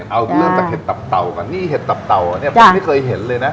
เอาเริ่มจากเห็ดตับเต่าก่อนนี่เห็ดตับเต่าเนี่ยผมไม่เคยเห็นเลยนะ